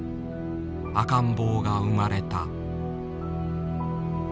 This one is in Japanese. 赤ん坊が生まれた。